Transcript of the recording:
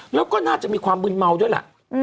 แล้วก็น่าจะมีความมืนเมาด้วยแหละ